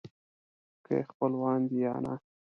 که یې خپلوان دي یا نه.